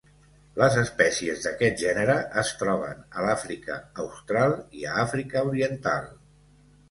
Les espècies d'aquest gènere es troben a l'Àfrica Austral i a Àfrica Oriental.